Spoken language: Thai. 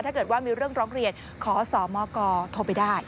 ถ้าเกิดว่ามีเรื่องร้องเรียนขอสมกโทรไปได้